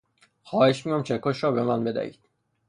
خواهش میکنم چکش را به من بدهید.